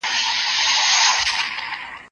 پروفیسر ټوی وویل، ځینې وینې ګروپونه له منځه تللي دي.